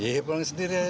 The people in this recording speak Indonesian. iya pulang sendiri aja